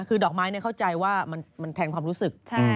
คือดอกไม้เข้าใจว่ามันแทนความรู้สึก